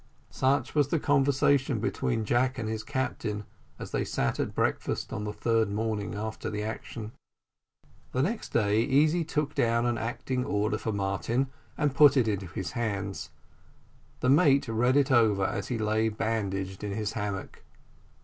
Such was the conversation between Jack and his captain, as they sat at breakfast on the third morning after the action. The next day Easy took down an acting order for Martin, and put it into his hands. The mate read it over as he lay bandaged in his hammock.